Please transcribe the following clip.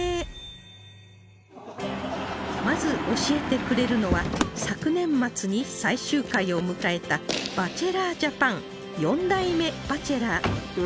まず教えてくれるのは昨年末に最終回を迎えた『バチェラー・ジャパン』４代目バチェラー